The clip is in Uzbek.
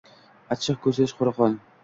Achchiq koʻzyosh. Qora qon.